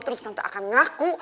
terus tante akan ngaku